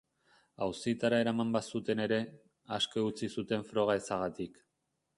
Auzitara eraman bazuten ere, aske utzi zuten froga ezagatik.